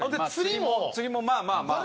釣りもまあまあまあまあ。